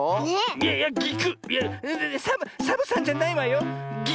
いやサボさんじゃないわよ。